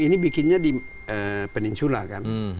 ini bikinnya di peninsula kan